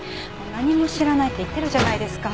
何も知らないって言ってるじゃないですか